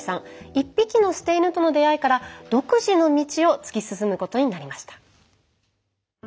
１匹の捨て犬との出会いから独自の道を突き進むことになりました。